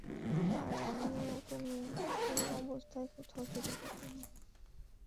আর এমনে ও তুমি এ অবস্থায় কোথাও যেতে পারবে না।